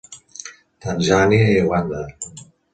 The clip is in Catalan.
Tanzània i Uganda.